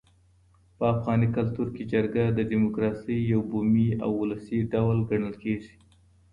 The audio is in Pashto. په افغاني کلتور کي جرګه د ډیموکراسۍ یو بومي او ولسي ډول ګڼل کيږي.